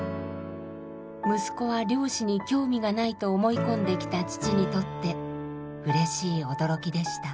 息子は漁師に興味がないと思い込んできた父にとってうれしい驚きでした。